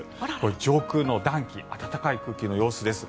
上空の暖気暖かい空気の様子です。